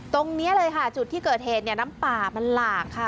ตรงนี้เลยค่ะจุดที่เกิดเหตุเนี่ยน้ำป่ามันหลากค่ะ